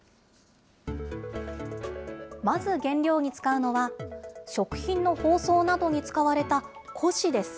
まず原料に使うのは、食品の包装などに使われた古紙です。